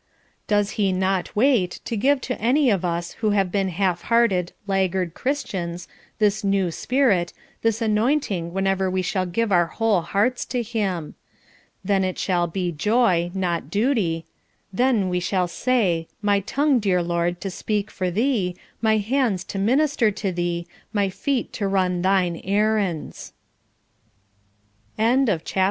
Does he not wait to give to any of us who have been half hearted laggard Christians, this "new spirit," this anointing whenever we shall give our whole hearts to him. Then shall it be "joy, nor duty," then we shall say, My tongue, dear Lord, to speak for Thee, my hands to minister to Thee, my feet to run Thine errands. MRS. LEWIS' BOOK.